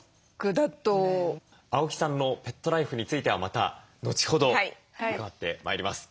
青木さんのペットライフについてはまた後ほど伺ってまいります。